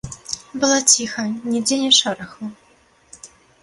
Было ціха, нідзе ні шораху.